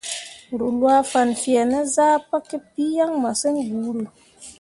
Ruu lwaa fan fẽẽ ne zah pǝkǝpii yaŋ masǝŋ buuru.